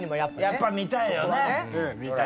やっぱ見たいよね！